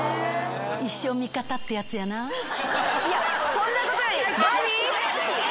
そんなことより。